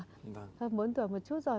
hơn bốn tuổi một chút rồi